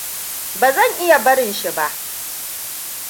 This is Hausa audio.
Ba zan iya barin shi ba.